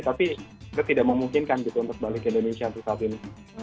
tapi kita tidak memungkinkan gitu untuk balik ke indonesia untuk saat ini